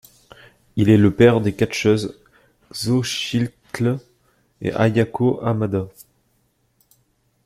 Il est le père des catcheuses Xóchitl et Ayako Hamada.